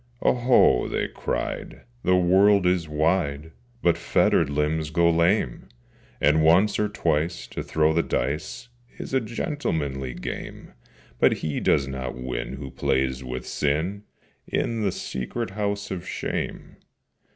'Oho!' they cried, 'The world is wide, But fettered limbs go lame! And once, or twice, to throw the dice Is a gentlemanly game, But he does not win who plays with Sin In the secret House of Shame.